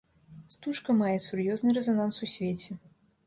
Стужка мае сур'ёзны рэзананс у свеце.